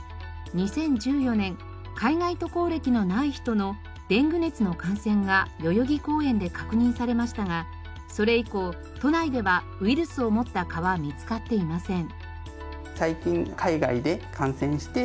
２０１４年海外渡航歴のない人のデング熱の感染が代々木公園で確認されましたがそれ以降都内ではウイルスを持った蚊は見つかっていません。